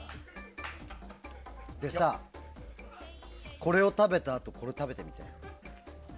でさ、これを食べたあとこれ、食べてみて。